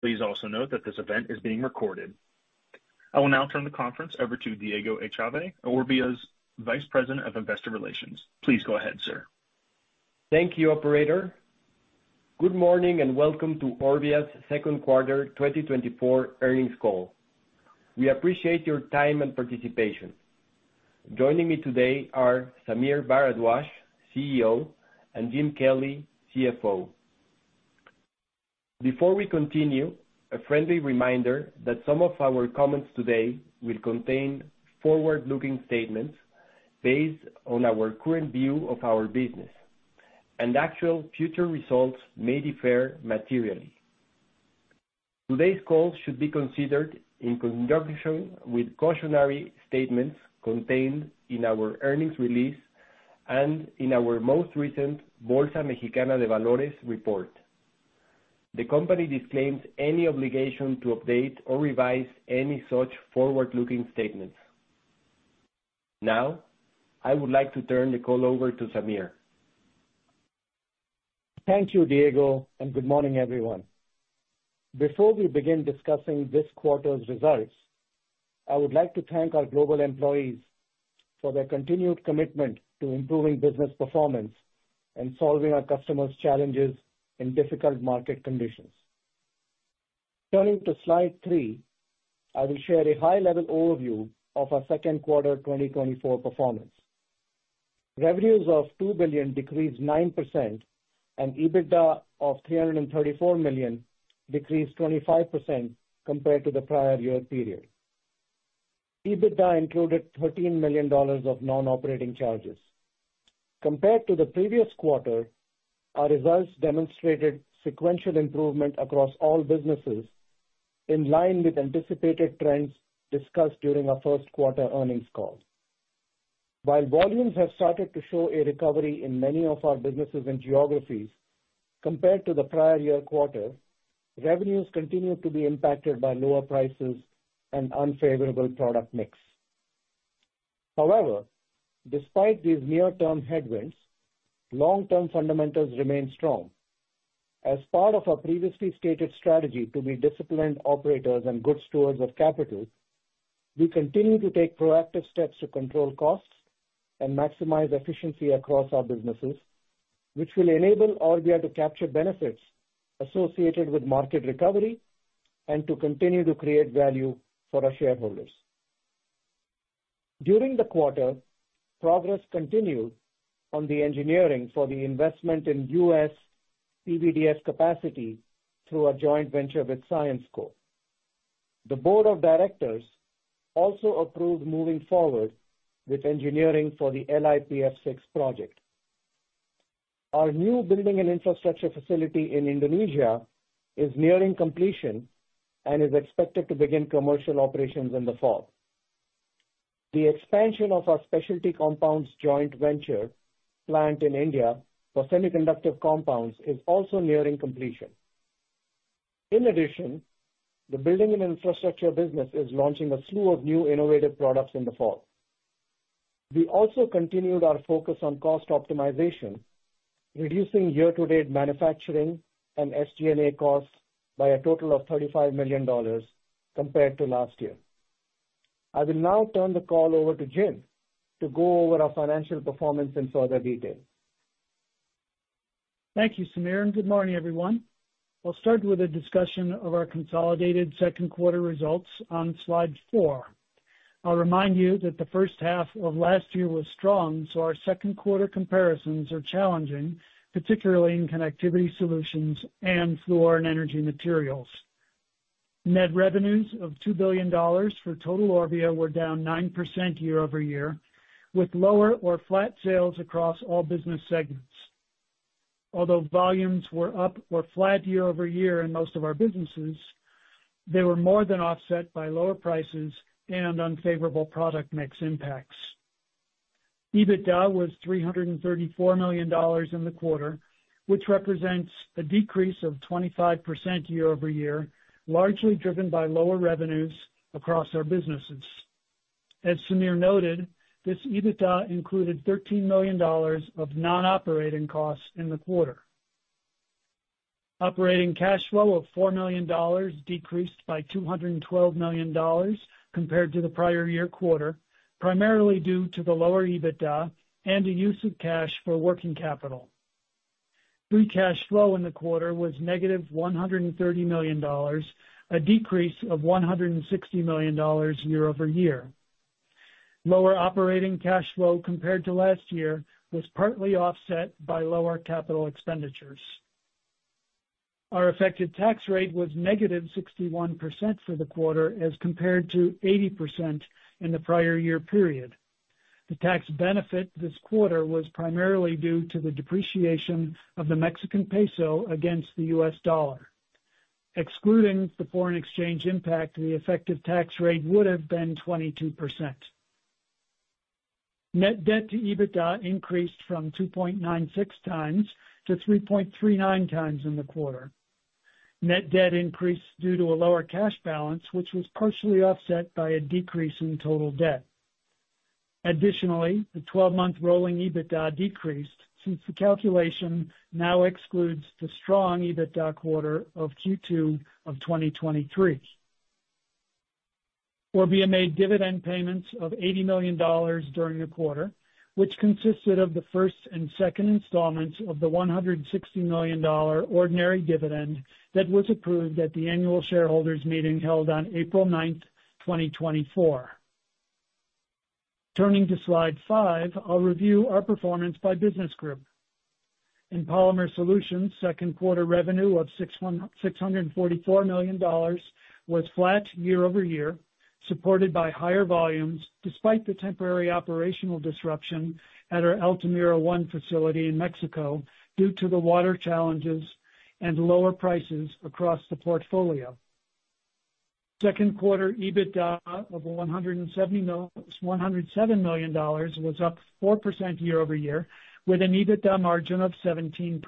Please also note that this event is being recorded. I will now turn the conference over to Diego Echave, Orbia's Vice President of Investor Relations. Please go ahead, sir. Thank you, Operator. Good morning and welcome to Orbia's second quarter 2024 earnings call. We appreciate your time and participation. Joining me today are Sameer Bharadwaj, CEO, and Jim Kelly, CFO. Before we continue, a friendly reminder that some of our comments today will contain forward-looking statements based on our current view of our business, and actual future results may differ materially. Today's call should be considered in conjunction with cautionary statements contained in our earnings release and in our most recent Bolsa Mexicana de Valores report. The company disclaims any obligation to update or revise any such forward-looking statements. Now, I would like to turn the call over to Sameer. Thank you, Diego, and good morning, everyone. Before we begin discussing this quarter's results, I would like to thank our global employees for their continued commitment to improving business performance and solving our customers' challenges in difficult market conditions. Turning to slide three, I will share a high-level overview of our second quarter 2024 performance. Revenues of $2 billion decreased 9%, and EBITDA of $334 million decreased 25% compared to the prior year period. EBITDA included $13 million of non-operating charges. Compared to the previous quarter, our results demonstrated sequential improvement across all businesses, in line with anticipated trends discussed during our first quarter earnings call. While volumes have started to show a recovery in many of our businesses and geographies compared to the prior year quarter, revenues continue to be impacted by lower prices and unfavorable product mix. However, despite these near-term headwinds, long-term fundamentals remain strong. As part of our previously stated strategy to be disciplined operators and good stewards of capital, we continue to take proactive steps to control costs and maximize efficiency across our businesses, which will enable Orbia to capture benefits associated with market recovery and to continue to create value for our shareholders. During the quarter, progress continued on the engineering for the investment in U.S. PVDF capacity through a joint venture with Syensqo. The board of directors also approved moving forward with engineering for the LiPF6 project. Our new Building & Infrastructure facility in Indonesia is nearing completion and is expected to begin commercial operations in the fall. The expansion of our Specialty Compounds joint venture plant in India for semiconductor compounds is also nearing completion. In addition, the Building & Infrastructure business is launching a slew of new innovative products in the fall. We also continued our focus on cost optimization, reducing year-to-date manufacturing and SG&A costs by a total of $35 million compared to last year. I will now turn the call over to Jim to go over our financial performance in further detail. Thank you, Sameer. Good morning, everyone. I'll start with a discussion of our consolidated second quarter results on slide four. I'll remind you that the first half of last year was strong, so our second quarter comparisons are challenging, particularly in Connectivity Solutions and Fluor & Energy Materials. Net revenues of $2 billion for total Orbia were down 9% year-over-year, with lower or flat sales across all business segments. Although volumes were up or flat year-over-year in most of our businesses, they were more than offset by lower prices and unfavorable product mix impacts. EBITDA was $334 million in the quarter, which represents a decrease of 25% year-over-year, largely driven by lower revenues across our businesses. As Sameer noted, this EBITDA included $13 million of non-operating costs in the quarter. Operating cash flow of $4 million decreased by $212 million compared to the prior year quarter, primarily due to the lower EBITDA and the use of cash for working capital. Free cash flow in the quarter was negative $130 million, a decrease of $160 million year-over-year. Lower operating cash flow compared to last year was partly offset by lower capital expenditures. Our effective tax rate was negative 61% for the quarter, as compared to 80% in the prior year period. The tax benefit this quarter was primarily due to the depreciation of the Mexican peso against the U.S. dollar. Excluding the foreign exchange impact, the effective tax rate would have been 22%. Net debt to EBITDA increased from 2.96 times to 3.39 times in the quarter. Net debt increased due to a lower cash balance, which was partially offset by a decrease in total debt. Additionally, the 12-month rolling EBITDA decreased since the calculation now excludes the strong EBITDA quarter of Q2 of 2023. Orbia made dividend payments of $80 million during the quarter, which consisted of the first and second installments of the $160 million ordinary dividend that was approved at the annual shareholders meeting held on April 9, 2024. Turning to slide five, I'll review our performance by business group. In Polymer Solutions, second quarter revenue of $644 million was flat year-over-year, supported by higher volumes despite the temporary operational disruption at our Altamira One facility in Mexico due to the water challenges and lower prices across the portfolio. Second quarter EBITDA of $107 million was up 4% year-over-year, with an EBITDA margin of 17%.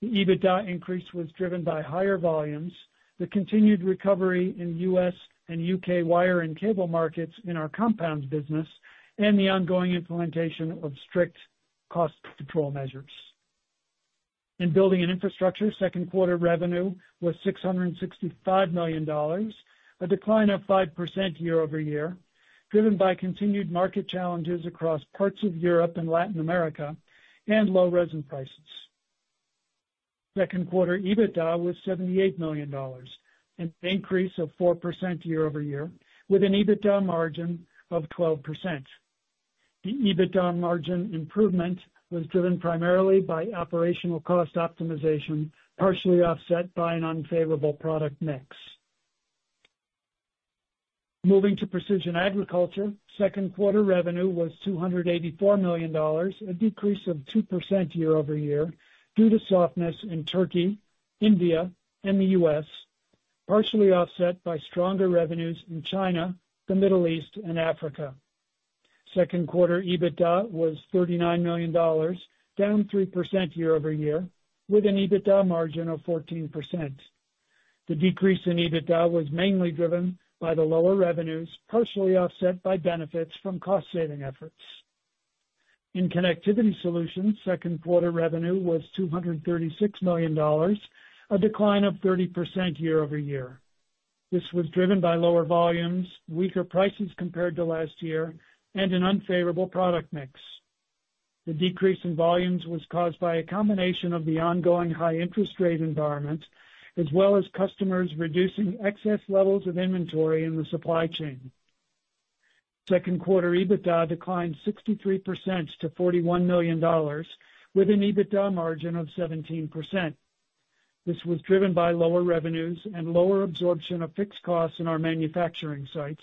The EBITDA increase was driven by higher volumes, the continued recovery in U.S. and U.K. wire and cable markets in our compounds business, and the ongoing implementation of strict cost control measures. In Building and Infrastructure, second quarter revenue was $665 million, a decline of 5% year-over-year, driven by continued market challenges across parts of Europe and Latin America and low resin prices. Second quarter EBITDA was $78 million, an increase of 4% year-over-year, with an EBITDA margin of 12%. The EBITDA margin improvement was driven primarily by operational cost optimization, partially offset by an unfavorable product mix. Moving to Precision Agriculture, second quarter revenue was $284 million, a decrease of 2% year-over-year due to softness in Turkey, India, and the U.S., partially offset by stronger revenues in China, the Middle East, and Africa. Second quarter EBITDA was $39 million, down 3% year-over-year, with an EBITDA margin of 14%. The decrease in EBITDA was mainly driven by the lower revenues, partially offset by benefits from cost-saving efforts. In Connectivity Solutions, second quarter revenue was $236 million, a decline of 30% year-over-year. This was driven by lower volumes, weaker prices compared to last year, and an unfavorable product mix. The decrease in volumes was caused by a combination of the ongoing high interest rate environment, as well as customers reducing excess levels of inventory in the supply chain. Second quarter EBITDA declined 63% to $41 million, with an EBITDA margin of 17%. This was driven by lower revenues and lower absorption of fixed costs in our manufacturing sites,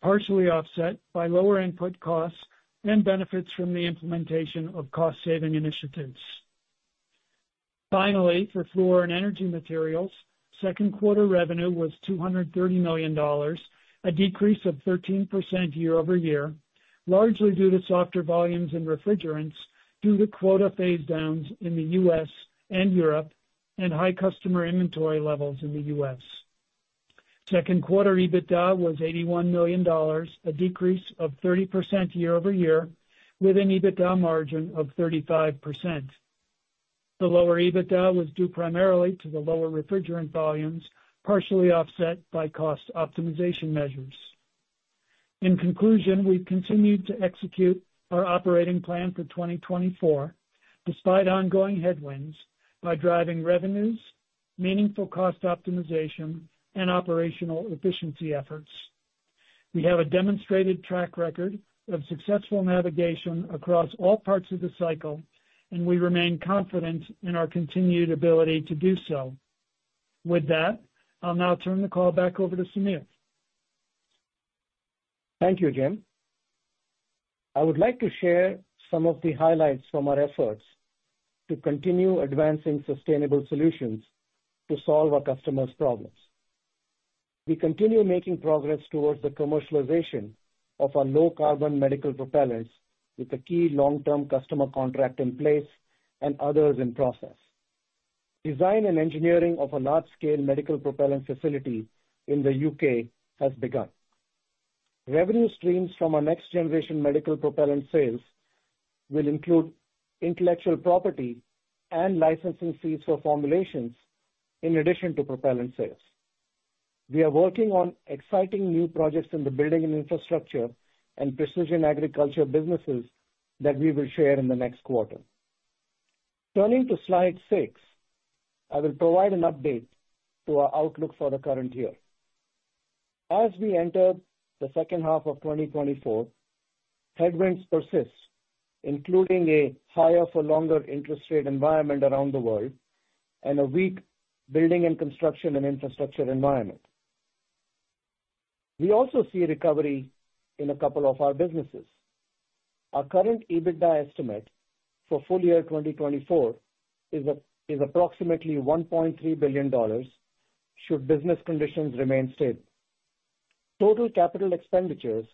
partially offset by lower input costs and benefits from the implementation of cost-saving initiatives. Finally, for Fluor & Energy Materials, second quarter revenue was $230 million, a decrease of 13% year-over-year, largely due to softer volumes in refrigerants due to quota phase-downs in the U.S. and Europe and high customer inventory levels in the U.S. Second quarter EBITDA was $81 million, a decrease of 30% year-over-year, with an EBITDA margin of 35%. The lower EBITDA was due primarily to the lower refrigerant volumes, partially offset by cost optimization measures. In conclusion, we've continued to execute our operating plan for 2024, despite ongoing headwinds, by driving revenues, meaningful cost optimization, and operational efficiency efforts. We have a demonstrated track record of successful navigation across all parts of the cycle, and we remain confident in our continued ability to do so. With that, I'll now turn the call back over to Sameer. Thank you, Jim. I would like to share some of the highlights from our efforts to continue advancing sustainable solutions to solve our customers' problems. We continue making progress towards the commercialization of our low-carbon medical propellants, with a key long-term customer contract in place and others in process. Design and engineering of a large-scale medical propellant facility in the U.K. has begun. Revenue streams from our next-generation medical propellant sales will include intellectual property and licensing fees for formulations, in addition to propellant sales. We are working on exciting new projects in the Building and Infrastructure and Precision Agriculture businesses that we will share in the next quarter. Turning to slide six, I will provide an update to our outlook for the current year. As we enter the second half of 2024, headwinds persist, including a higher-for-longer interest rate environment around the world and a weak building and construction and infrastructure environment. We also see recovery in a couple of our businesses. Our current EBITDA estimate for full year 2024 is approximately $1.3 billion, should business conditions remain stable. Total capital expenditures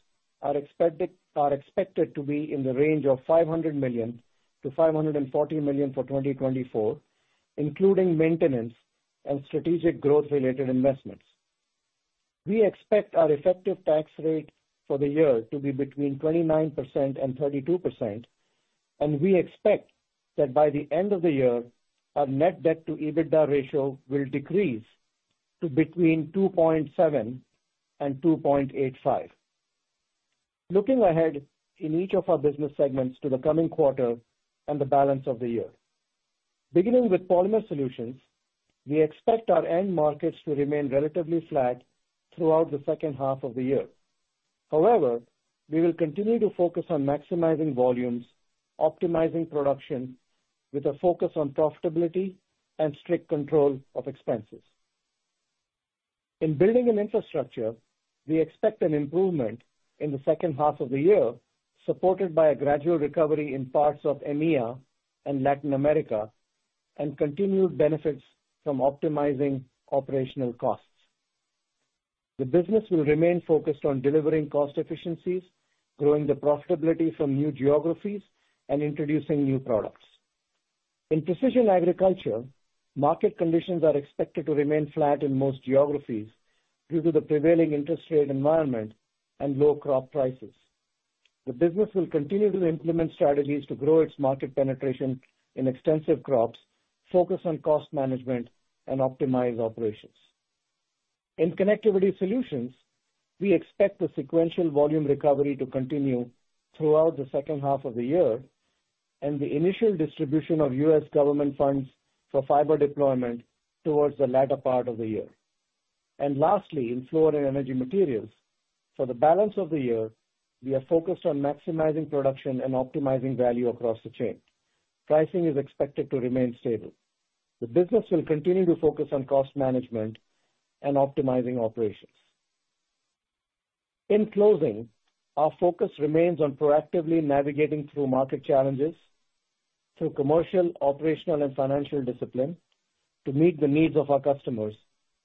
are expected to be in the range of $500 million-$540 million for 2024, including maintenance and strategic growth-related investments. We expect our effective tax rate for the year to be between 29% and 32%, and we expect that by the end of the year, our net debt to EBITDA ratio will decrease to between 2.7 and 2.85. Looking ahead in each of our business segments to the coming quarter and the balance of the year, beginning with Polymer Solutions, we expect our end markets to remain relatively flat throughout the second half of the year. However, we will continue to focus on maximizing volumes, optimizing production, with a focus on profitability and strict control of expenses. In Building & Infrastructure, we expect an improvement in the second half of the year, supported by a gradual recovery in parts of EMEA and Latin America, and continued benefits from optimizing operational costs. The business will remain focused on delivering cost efficiencies, growing the profitability from new geographies, and introducing new products. In Precision Agriculture, market conditions are expected to remain flat in most geographies due to the prevailing interest rate environment and low crop prices. The business will continue to implement strategies to grow its market penetration in extensive crops, focus on cost management, and optimize operations. In Connectivity Solutions, we expect the sequential volume recovery to continue throughout the second half of the year and the initial distribution of U.S. government funds for fiber deployment towards the latter part of the year. And lastly, in Fluor & Energy Materials, for the balance of the year, we are focused on maximizing production and optimizing value across the chain. Pricing is expected to remain stable. The business will continue to focus on cost management and optimizing operations. In closing, our focus remains on proactively navigating through market challenges through commercial, operational, and financial discipline to meet the needs of our customers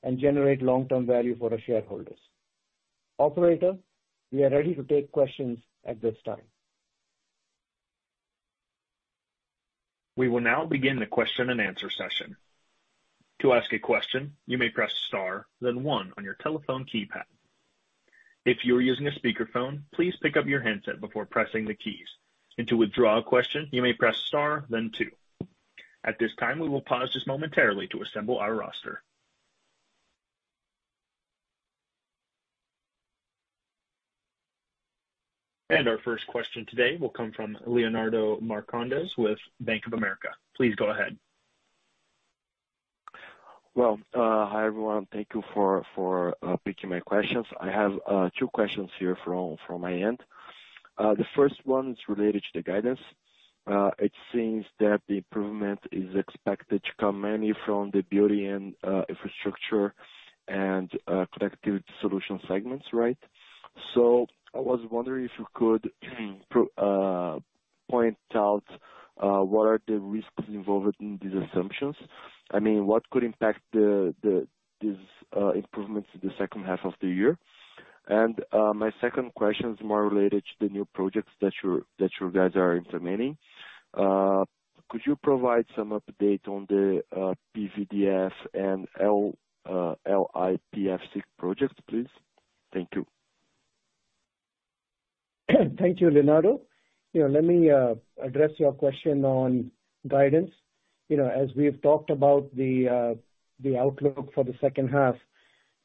and generate long-term value for our shareholders. Operator, we are ready to take questions at this time. We will now begin the question and answer session. To ask a question, you may press star, then one on your telephone keypad. If you are using a speakerphone, please pick up your handset before pressing the keys. And to withdraw a question, you may press star, then two. At this time, we will pause just momentarily to assemble our roster. And our first question today will come from Leonardo Marcondes with Bank of America. Please go ahead. Well, hi everyone. Thank you for picking my questions. I have two questions here from my end. The first one is related to the guidance. It seems that the improvement is expected to come mainly from the Building & Infrastructure and Connectivity Solutions segments, right? So I was wondering if you could point out what are the risks involved in these assumptions. I mean, what could impact these improvements in the second half of the year? And my second question is more related to the new projects that you guys are implementing. Could you provide some update on the PVDF and LiPF6 project, please? Thank you. Thank you, Leonardo. Let me address your question on guidance. As we've talked about the outlook for the second half,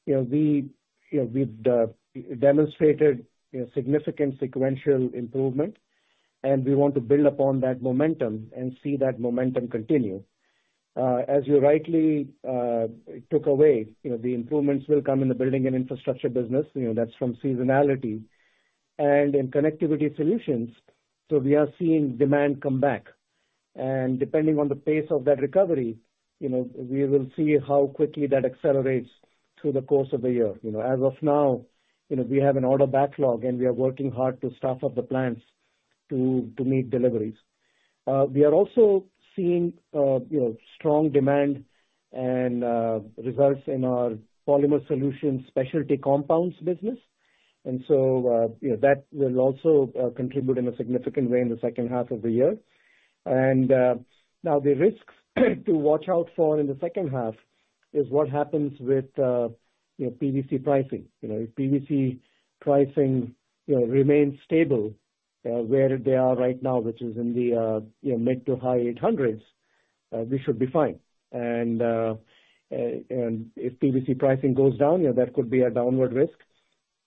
we've demonstrated significant sequential improvement, and we want to build upon that momentum and see that momentum continue. As you rightly took away, the improvements will come in the Building & Infrastructure business. That's from seasonality. And in Connectivity Solutions, so we are seeing demand come back. And depending on the pace of that recovery, we will see how quickly that accelerates through the course of the year. As of now, we have an order backlog, and we are working hard to staff up the plants to meet deliveries. We are also seeing strong demand and results in our Polymer Solutions specialty compounds business. And so that will also contribute in a significant way in the second half of the year. Now the risks to watch out for in the second half is what happens with PVC pricing. If PVC pricing remains stable where they are right now, which is in the mid- to high 800s, we should be fine. If PVC pricing goes down, that could be a downward risk.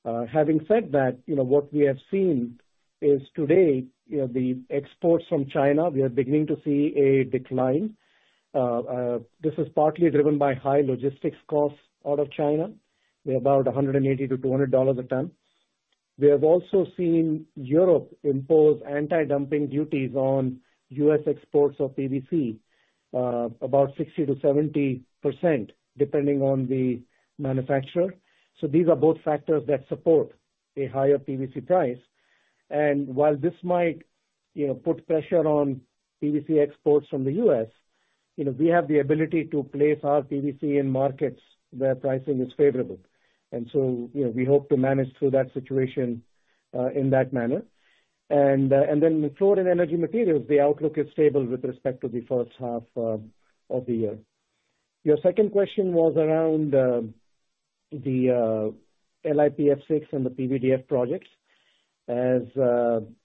Having said that, what we have seen is today, the exports from China, we are beginning to see a decline. This is partly driven by high logistics costs out of China, about $180-$200 a ton. We have also seen Europe impose anti-dumping duties on U.S. exports of PVC, about 60%-70%, depending on the manufacturer. So these are both factors that support a higher PVC price. While this might put pressure on PVC exports from the U.S., we have the ability to place our PVC in markets where pricing is favorable. So we hope to manage through that situation in that manner. Then in Fluor & Energy Materials, the outlook is stable with respect to the first half of the year. Your second question was around the LiPF6 and the PVDF projects. As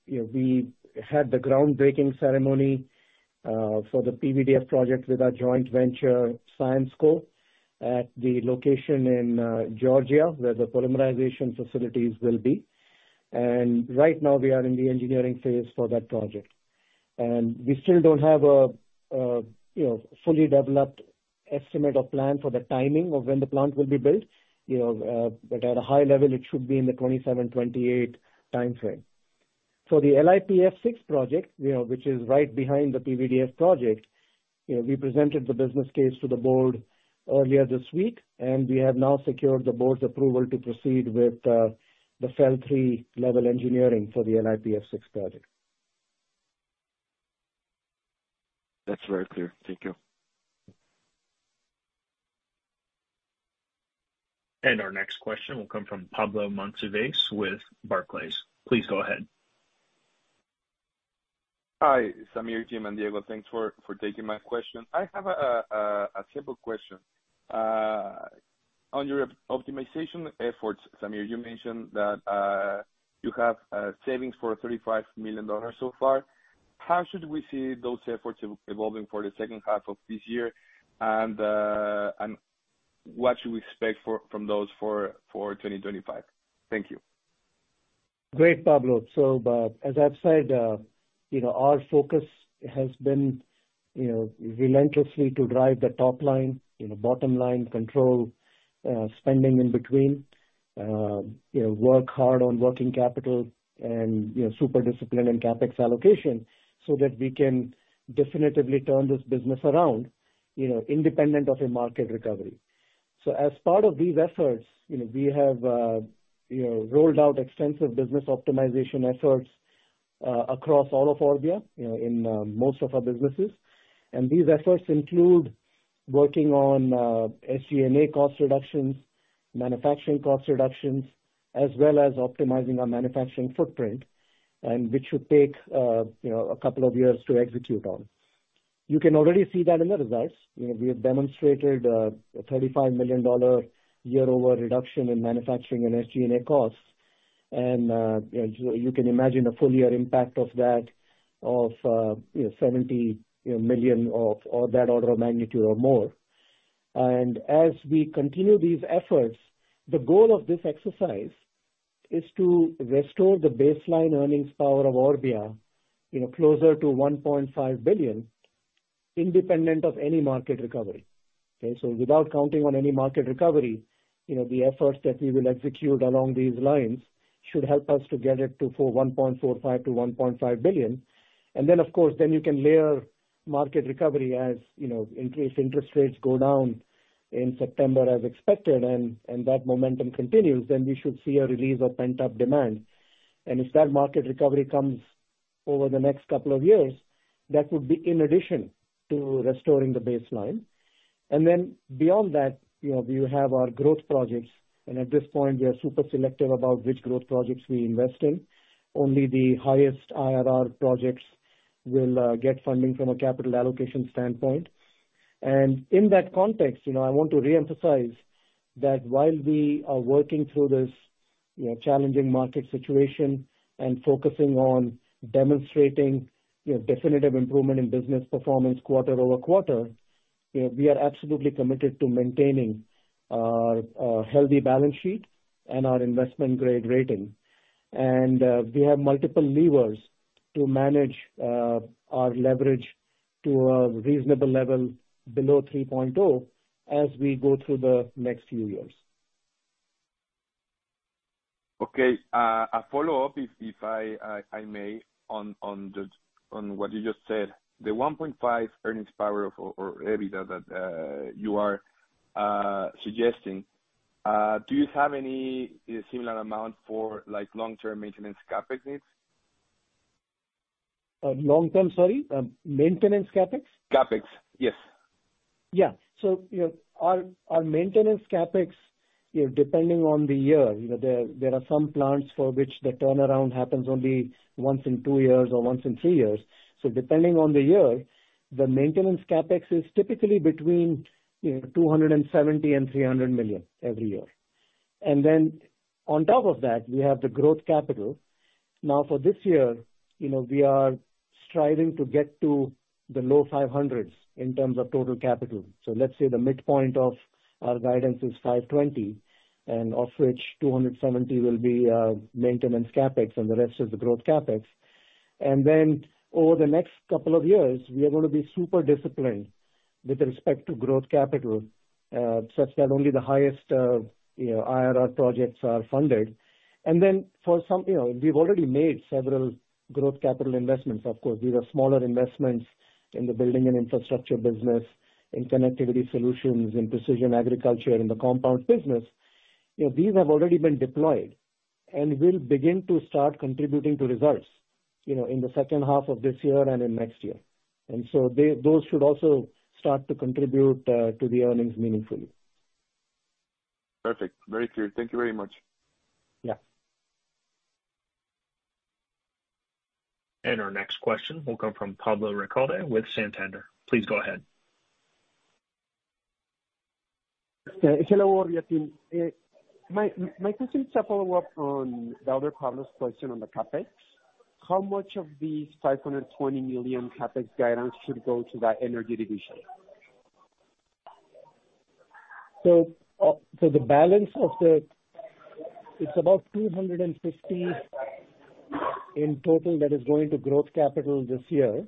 we had the groundbreaking ceremony for the PVDF project with our joint venture, Syensqo, at the location in Georgia, where the polymerization facilities will be. Right now, we are in the engineering phase for that project. We still don't have a fully developed estimate or plan for the timing of when the plant will be built. But at a high level, it should be in the 2027, 2028 timeframe. For the LiPF6 project, which is right behind the PVDF project, we presented the business case to the board earlier this week, and we have now secured the board's approval to proceed with the FEL3-level engineering for the LiPF6 project. That's very clear. Thank you. Our next question will come from Pablo Monsivais with Barclays. Please go ahead. Hi, Sameer, Jim and Diego. Thanks for taking my question. I have a simple question. On your optimization efforts, Sameer, you mentioned that you have savings for $35 million so far. How should we see those efforts evolving for the second half of this year? And what should we expect from those for 2025? Thank you. Great, Pablo. So as I've said, our focus has been relentlessly to drive the top line, bottom line, control spending in between, work hard on working capital, and super discipline in CapEx allocation so that we can definitively turn this business around independent of a market recovery. So as part of these efforts, we have rolled out extensive business optimization efforts across all of Orbia in most of our businesses. And these efforts include working on SG&A cost reductions, manufacturing cost reductions, as well as optimizing our manufacturing footprint, which should take a couple of years to execute on. You can already see that in the results. We have demonstrated a $35 million year-over-year reduction in manufacturing and SG&A costs. And you can imagine a full year impact of that of $70 million or that order of magnitude or more. As we continue these efforts, the goal of this exercise is to restore the baseline earnings power of Orbia closer to $1.5 billion, independent of any market recovery. Without counting on any market recovery, the efforts that we will execute along these lines should help us to get it to $1.45 billion-$1.5 billion. Then, of course, then you can layer market recovery as if interest rates go down in September as expected and that momentum continues, then we should see a release of pent-up demand. If that market recovery comes over the next couple of years, that would be in addition to restoring the baseline. Beyond that, we have our growth projects. At this point, we are super selective about which growth projects we invest in. Only the highest IRR projects will get funding from a capital allocation standpoint. And in that context, I want to reemphasize that while we are working through this challenging market situation and focusing on demonstrating definitive improvement in business performance quarter-over-quarter, we are absolutely committed to maintaining our healthy balance sheet and our investment-grade rating. And we have multiple levers to manage our leverage to a reasonable level below 3.0 as we go through the next few years. Okay. A follow-up, if I may, on what you just said, the 1.5 earnings power or EBITDA that you are suggesting, do you have any similar amount for long-term maintenance CapEx needs? Long-term, sorry? Maintenance CapEx? CapEx, yes. Yeah. So our maintenance CapEx, depending on the year, there are some plants for which the turnaround happens only once in two years or once in three years. So depending on the year, the maintenance CapEx is typically between $270 million-$300 million every year. And then on top of that, we have the growth capital. Now, for this year, we are striving to get to the low 500s in terms of total capital. So let's say the midpoint of our guidance is $520 million, of which $270 million will be maintenance CapEx and the rest is the growth CapEx. And then over the next couple of years, we are going to be super disciplined with respect to growth capital such that only the highest IRR projects are funded. And then for some, we've already made several growth capital investments. Of course, these are smaller investments in the building and infrastructure business, in connectivity solutions, in precision agriculture, in the compound business. These have already been deployed and will begin to start contributing to results in the second half of this year and in next year. And so those should also start to contribute to the earnings meaningfully. Perfect. Very clear. Thank you very much. Yeah. And our next question will come from Pablo Ricalde with Santander. Please go ahead. Hello, Orbia team. My question is a follow-up on the other Pablo's question on the CapEx. How much of these $520 million CapEx guidance should go to that energy division? So the balance of the it's about $250 in total that is going to growth capital this year.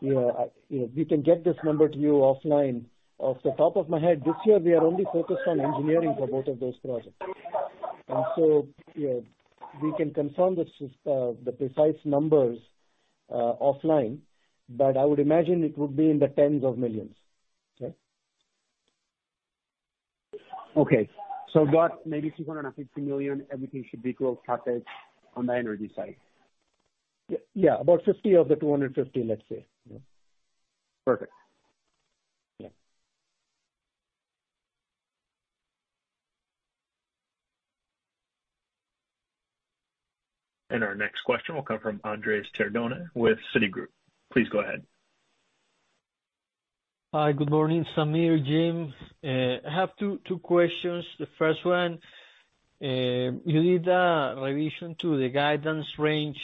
We can get this number to you offline off the top of my head. This year, we are only focused on engineering for both of those projects. And so we can confirm the precise numbers offline, but I would imagine it would be in the tens of millions. Okay? Okay. So about maybe $250 million, everything should be growth CapEx on the energy side. Yeah, about $50 of the $250, let's say. Perfect. Yeah. Our next question will come from Andrés Cardona with Citigroup. Please go ahead. Hi, good morning. Sameer, Jim. I have two questions. The first one, you did a revision to the guidance range.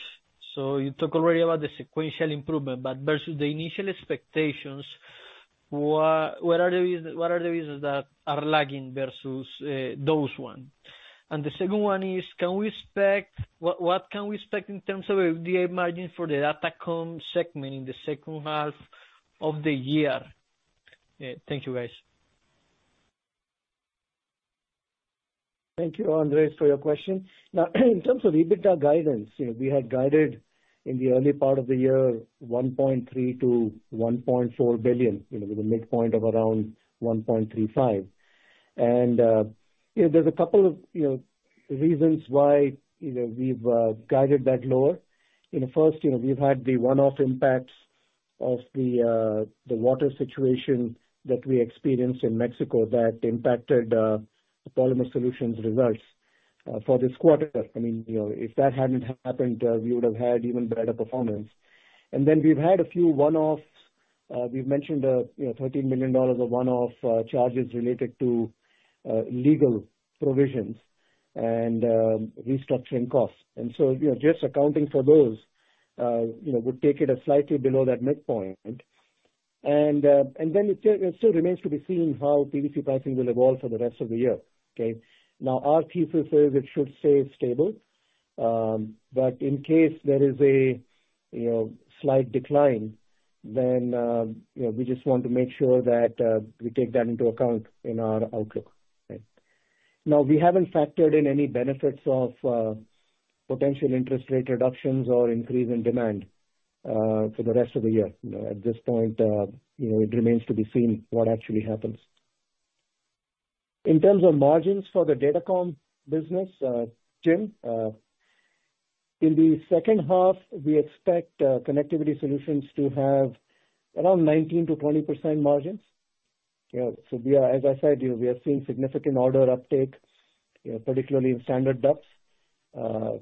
So you talked already about the sequential improvement, but versus the initial expectations, what are the reasons that are lagging versus those ones? And the second one is, what can we expect in terms of the margin for the datacom segment in the second half of the year? Thank you, guys. Thank you, Andrés, for your question. Now, in terms of EBITDA guidance, we had guided in the early part of the year $1.3 billion-$1.4 billion, with a midpoint of around $1.35 billion. And there's a couple of reasons why we've guided that lower. First, we've had the one-off impacts of the water situation that we experienced in Mexico that impacted Polymer Solutions results for this quarter. I mean, if that hadn't happened, we would have had even better performance. And then we've had a few one-offs. We've mentioned $13 million of one-off charges related to legal provisions and restructuring costs. And so just accounting for those would take it slightly below that midpoint. And then it still remains to be seen how PVC pricing will evolve for the rest of the year. Okay? Now, our thesis is it should stay stable. But in case there is a slight decline, then we just want to make sure that we take that into account in our outlook. Now, we haven't factored in any benefits of potential interest rate reductions or increase in demand for the rest of the year. At this point, it remains to be seen what actually happens. In terms of margins for the datacom business, Jim, in the second half, we expect Connectivity Solutions to have around 19%-20% margins. So as I said, we are seeing significant order uptake, particularly in standard ducts.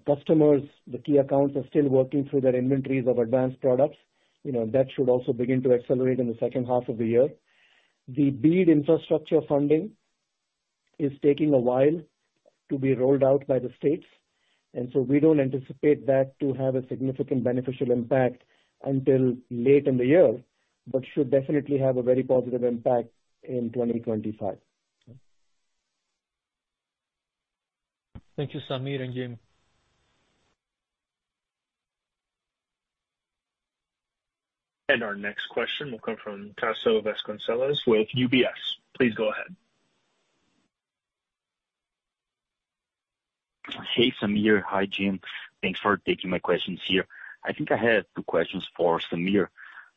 Customers, the key accounts, are still working through their inventories of advanced products. That should also begin to accelerate in the second half of the year. The BEAD infrastructure funding is taking a while to be rolled out by the states. And so we don't anticipate that to have a significant beneficial impact until late in the year, but should definitely have a very positive impact in 2025. Thank you, Sameer and Jim. Our next question will come from Tasso Vasconcellos with UBS. Please go ahead. Hey, Sameer. Hi, Jim. Thanks for taking my questions here. I think I had two questions for Sameer.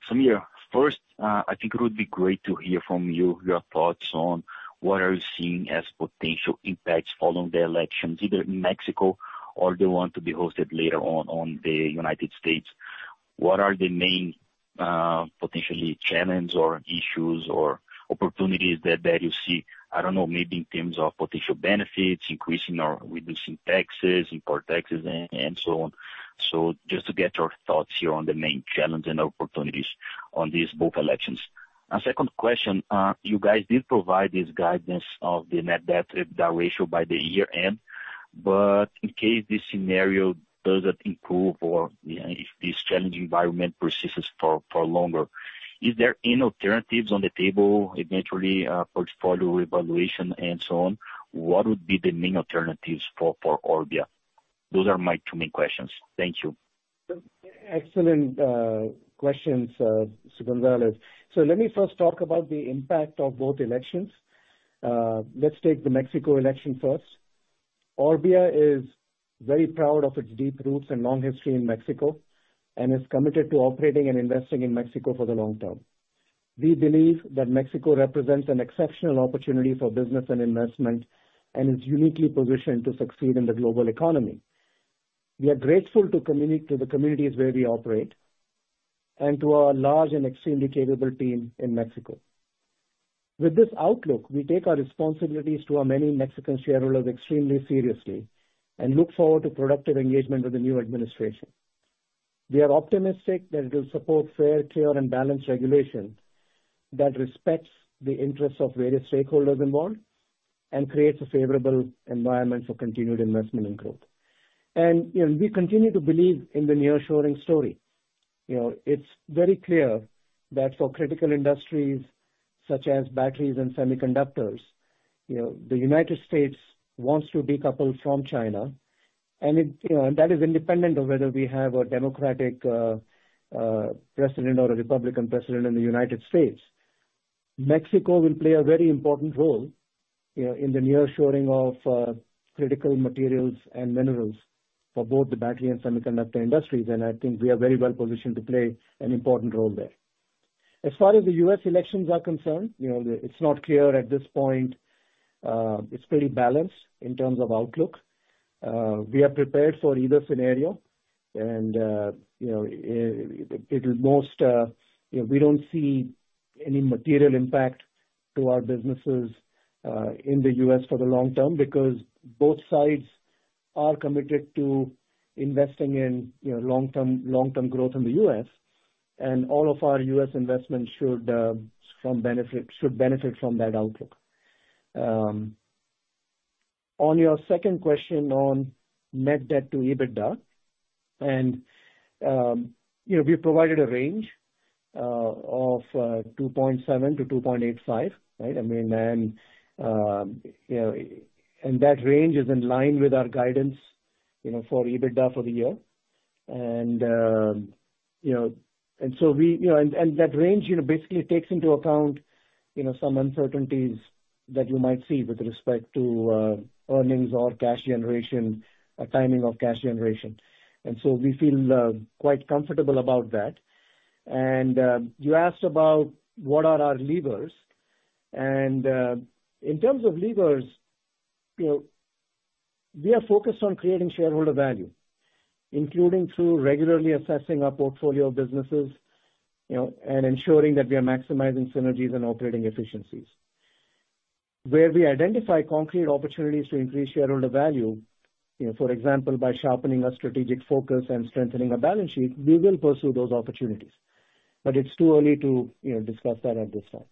Sameer, first, I think it would be great to hear from you your thoughts on what are you seeing as potential impacts following the elections, either in Mexico or they want to be hosted later on in the United States. What are the main potentially challenges or issues or opportunities that you see? I don't know, maybe in terms of potential benefits, increasing or reducing taxes, import taxes, and so on. So just to get your thoughts here on the main challenges and opportunities on these both elections. Our second question, you guys did provide this guidance of the net debt ratio by the year end, but in case this scenario doesn't improve or if this challenging environment persists for longer, is there any alternatives on the table, eventually portfolio evaluation and so on? What would be the main alternatives for Orbia? Those are my two main questions. Thank you. Excellent questions, Tasso Vasconcellos. Let me first talk about the impact of both elections. Let's take the Mexico election first. Orbia is very proud of its deep roots and long history in Mexico and is committed to operating and investing in Mexico for the long term. We believe that Mexico represents an exceptional opportunity for business and investment and is uniquely positioned to succeed in the global economy. We are grateful to the communities where we operate and to our large and extremely capable team in Mexico. With this outlook, we take our responsibilities to our many Mexican shareholders extremely seriously and look forward to productive engagement with the new administration. We are optimistic that it will support fair, clear, and balanced regulation that respects the interests of various stakeholders involved and creates a favorable environment for continued investment and growth. We continue to believe in the nearshoring story. It's very clear that for critical industries such as batteries and semiconductors, the United States wants to decouple from China. That is independent of whether we have a Democratic president or a Republican president in the United States. Mexico will play a very important role in the nearshoring of critical materials and minerals for both the battery and semiconductor industries. I think we are very well positioned to play an important role there. As far as the U.S. elections are concerned, it's not clear at this point. It's pretty balanced in terms of outlook. We are prepared for either scenario. At the most, we don't see any material impact to our businesses in the U.S. for the long term because both sides are committed to investing in long-term growth in the U.S. And all of our U.S. investments should benefit from that outlook. On your second question on net debt to EBITDA, and we provided a range of 2.7-2.85, right? I mean, and that range is in line with our guidance for EBITDA for the year. And so we and that range basically takes into account some uncertainties that you might see with respect to earnings or cash generation, timing of cash generation. And so we feel quite comfortable about that. And you asked about what are our levers. And in terms of levers, we are focused on creating shareholder value, including through regularly assessing our portfolio of businesses and ensuring that we are maximizing synergies and operating efficiencies. Where we identify concrete opportunities to increase shareholder value, for example, by sharpening our strategic focus and strengthening our balance sheet, we will pursue those opportunities. But it's too early to discuss that at this time.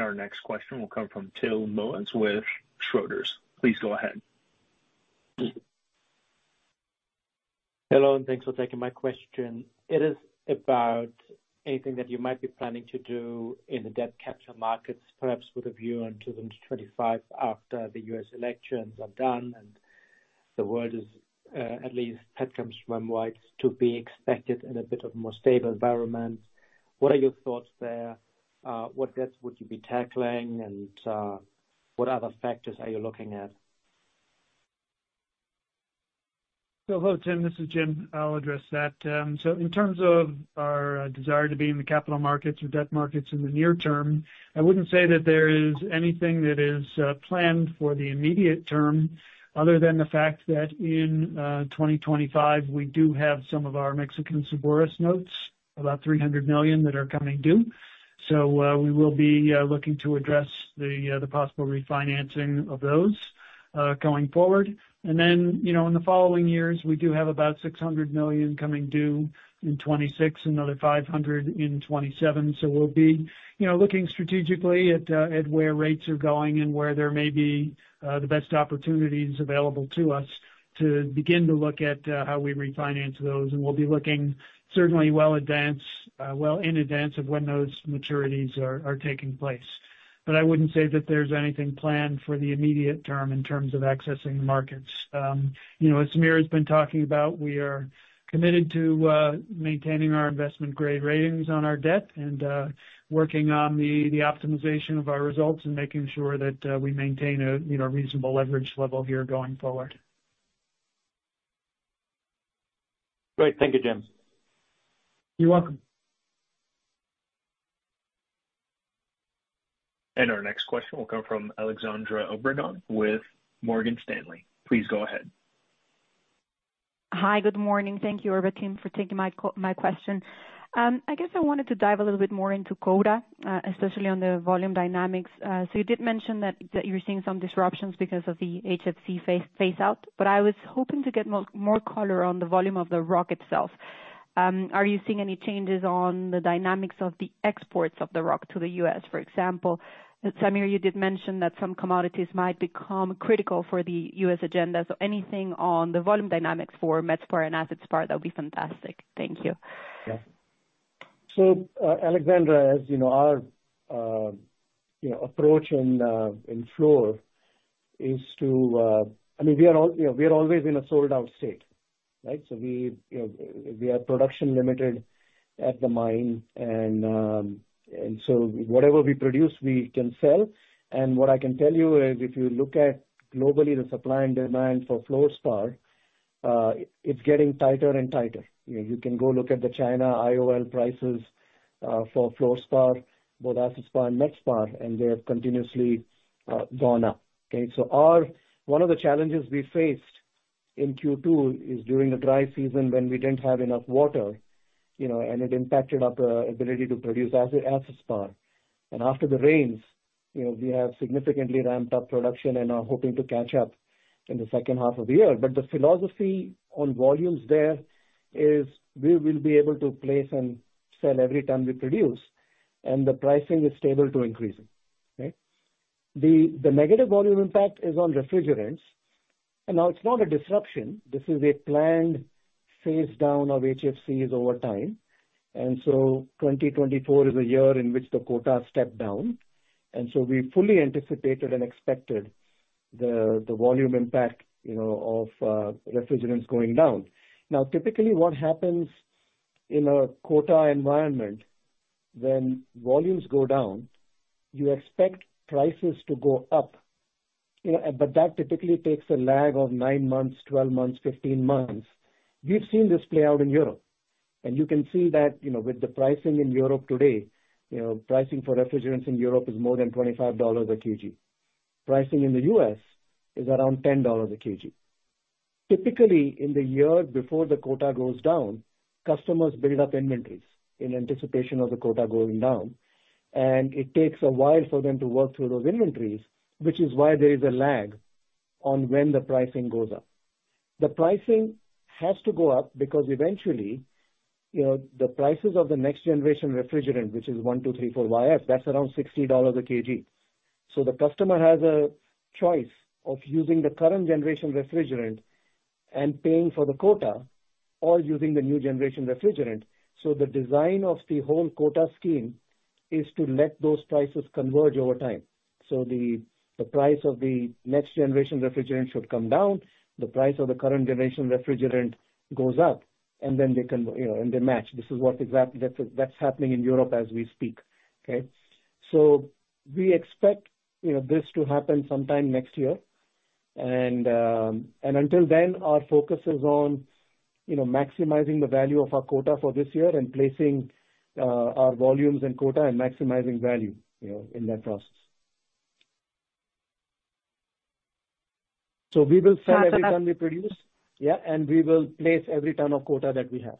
Our next question will come from Till Moewes with Schroders. Please go ahead. Hello, and thanks for taking my question. It is about anything that you might be planning to do in the debt capital markets, perhaps with a view on 2025 after the U.S. elections are done and the world is, at least the consensus from, what is to be expected in a bit of a more stable environment. What are your thoughts there? What debts would you be tackling, and what other factors are you looking at? So hello, Till. This is Jim. I'll address that. So in terms of our desire to be in the capital markets or debt markets in the near term, I wouldn't say that there is anything that is planned for the immediate term other than the fact that in 2025, we do have some of our Mexican subsidiaries notes, about $300 million that are coming due. So we will be looking to address the possible refinancing of those going forward. And then in the following years, we do have about $600 million coming due in 2026, another $500 million in 2027. So we'll be looking strategically at where rates are going and where there may be the best opportunities available to us to begin to look at how we refinance those. And we'll be looking certainly well in advance of when those maturities are taking place. But I wouldn't say that there's anything planned for the immediate term in terms of accessing the markets. As Sameer has been talking about, we are committed to maintaining our investment-grade ratings on our debt and working on the optimization of our results and making sure that we maintain a reasonable leverage level here going forward. Great. Thank you, Jim. You're welcome. Our next question will come from Alejandra Obregón with Morgan Stanley. Please go ahead. Hi, good morning. Thank you, Orbia team, for taking my question. I guess I wanted to dive a little bit more into Koura, especially on the volume dynamics. So you did mention that you're seeing some disruptions because of the HFC phase-out, but I was hoping to get more color on the volume of the rock itself. Are you seeing any changes on the dynamics of the exports of the rock to the U.S., for example? Sameer, you did mention that some commodities might become critical for the U.S. agenda. So anything on the volume dynamics for met-spar and acid-spar, that would be fantastic. Thank you. Yeah. So Alejandra, as you know, our approach in Fluor is to, I mean, we are always in a sold-out state, right? So we are production-limited at the mine. And so whatever we produce, we can sell. And what I can tell you is if you look at globally the supply and demand for fluorspar, it's getting tighter and tighter. You can go look at the China FOB prices for fluorspar, both acid-spar and met-spar, and they have continuously gone up. Okay? So one of the challenges we faced in Q2 is during the dry season when we didn't have enough water, and it impacted our ability to produce acid-spar. And after the rains, we have significantly ramped up production and are hoping to catch up in the second half of the year. The philosophy on volumes there is we will be able to place and sell every ton we produce, and the pricing is stable to increasing. Okay? The negative volume impact is on refrigerants. Now it's not a disruption. This is a planned phase-down of HFCs over time. So 2024 is a year in which the quotas step down. So we fully anticipated and expected the volume impact of refrigerants going down. Now, typically, what happens in a quota environment when volumes go down, you expect prices to go up. But that typically takes a lag of 9 months, 12 months, 15 months. We've seen this play out in Europe. And you can see that with the pricing in Europe today, pricing for refrigerants in Europe is more than $25 a kg. Pricing in the U.S. is around $10 a kg. Typically, in the year before the quota goes down, customers build up inventories in anticipation of the quota going down. It takes a while for them to work through those inventories, which is why there is a lag on when the pricing goes up. The pricing has to go up because eventually, the prices of the next generation refrigerant, which is 1234yf, that's around $60 a kg. So the customer has a choice of using the current generation refrigerant and paying for the quota or using the new generation refrigerant. So the design of the whole quota scheme is to let those prices converge over time. So the price of the next generation refrigerant should come down. The price of the current generation refrigerant goes up, and then they match. This is what's happening in Europe as we speak. Okay? So we expect this to happen sometime next year. Until then, our focus is on maximizing the value of our quota for this year and placing our volumes and quota and maximizing value in that process. We will sell every ton we produce. Yeah. We will place every ton of quota that we have.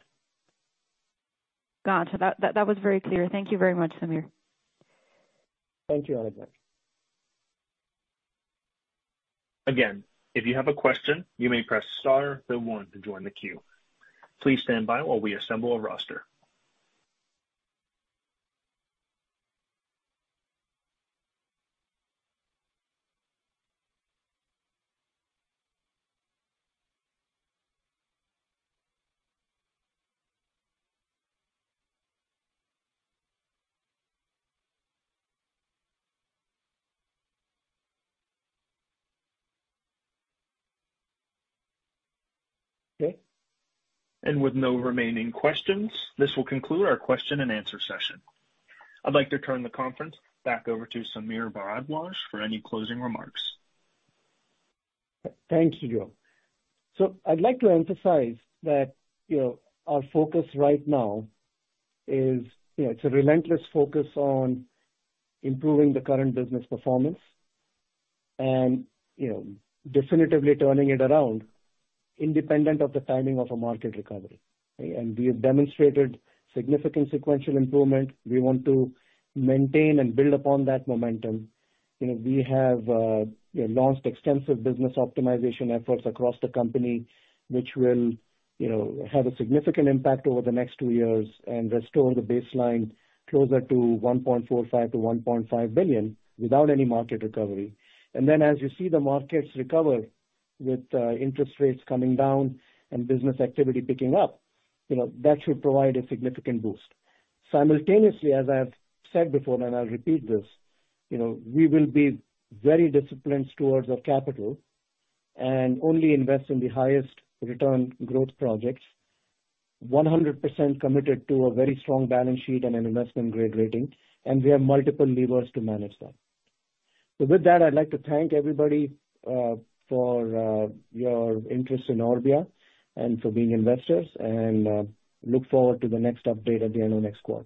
Gotcha. That was very clear. Thank you very much, Sameer. Thank you, Alejandra. Again, if you have a question, you may press star, then one to join the queue. Please stand by while we assemble a roster. Okay. And with no remaining questions, this will conclude our question and answer session. I'd like to turn the conference back over to Sameer Bharadwaj for any closing remarks. Thank you, Joe. So I'd like to emphasize that our focus right now is it's a relentless focus on improving the current business performance and definitively turning it around independent of the timing of a market recovery. We have demonstrated significant sequential improvement. We want to maintain and build upon that momentum. We have launched extensive business optimization efforts across the company, which will have a significant impact over the next two years and restore the baseline closer to $1.45 billion-$1.5 billion without any market recovery. Then, as you see the markets recover with interest rates coming down and business activity picking up, that should provide a significant boost. Simultaneously, as I've said before, and I'll repeat this, we will be very disciplined stewards of capital and only invest in the highest return growth projects, 100% committed to a very strong balance sheet and an investment-grade rating. We have multiple levers to manage that. With that, I'd like to thank everybody for your interest in Orbia and for being investors and look forward to the next update at the end of next quarter.